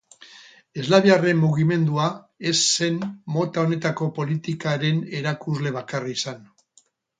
Eslaviarren mugimendua ez zen mota honetako politikaren erakusle bakarra izan.